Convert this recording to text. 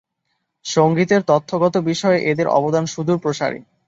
সঙ্গীতের তত্ত্বগত বিষয়ে এঁদের অবদান সুদূরপ্রসারী।